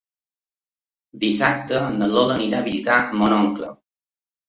Dissabte na Lola anirà a visitar mon oncle.